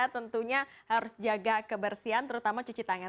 tentunya harus jaga kebersihan terutama cuci tangan